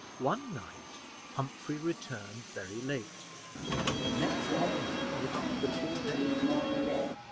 One night Humphrey returned very late, and the next morning he was off before daylight.